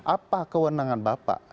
apa keunangan bapak